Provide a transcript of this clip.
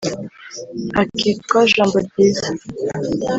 akitwa « .jambo-ryiza ».